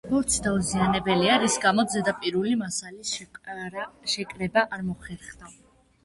ბორცვი დაუზიანებელია, რის გამოც ზედაპირული მასალის შეკრება არ მოხერხდა.